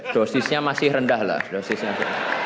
dosisnya masih rendah lah